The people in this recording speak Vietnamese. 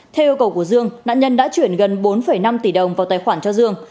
theo yêu cầu của dương nạn nhân đã chuyển gần bốn năm tỷ đồng vào tài khoản cho dương